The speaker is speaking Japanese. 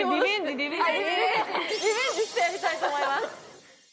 リベンジしてやりたいと思います。